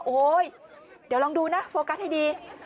โอ๊ยเดี๋ยวลองดูนะโฟกัสให้ดี